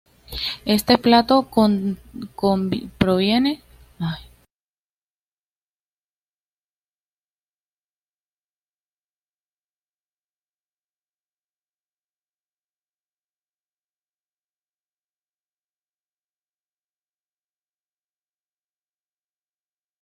La ausencia de hígado o su falta de funcionamiento es incompatible con la vida.